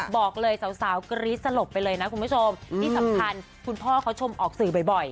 บอกเลยสาวกรี๊ดสลบไปเลยนะคุณผู้ชมที่สำคัญคุณพ่อเขาชมออกสื่อบ่อย